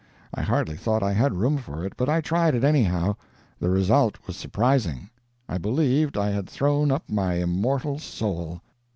I hardly thought I had room for it, but I tried it anyhow. The result was surprising. I believed I had thrown up my immortal soul.